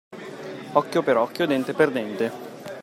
Occhio per occhio, dente per dente.